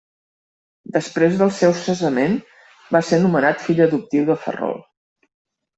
Després del seu cessament va ser nomenat fill adoptiu de Ferrol.